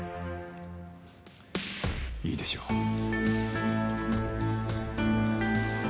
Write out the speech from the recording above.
いいでしょう。